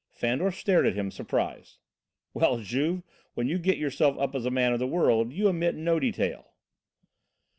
Fandor stared at him, surprised. "Well, Juve, when you get yourself up as a man of the world, you omit no detail."